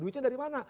duitnya dari mana